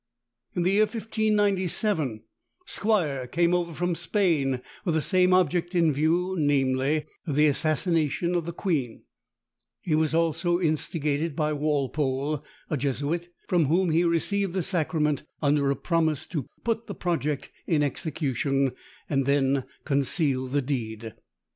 In the year 1597, Squire came over from Spain with the same object in view, namely, the assassination of the queen; he also was instigated by Walpole, a Jesuit, from whom he received the sacrament under a promise to put the project in execution, and then conceal the deed.